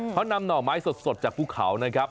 เขานำหน่อไม้สดจากภูเขานะครับ